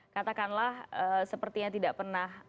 katakanlah sepertinya tidak pernah